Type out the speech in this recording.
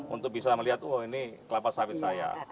untuk bisa melihat oh ini kelapa sawit saya